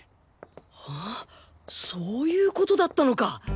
ああそういう事だったのか！